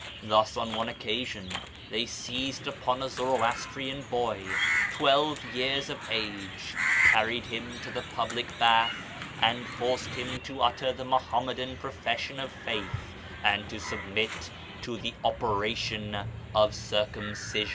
Thus on one occasion they seized upon a Zoroastrian boy twelve years of age, carried him to the public bath, and forced him to utter the Muhammadan profession of faith, and to submit to the operation of circumcision.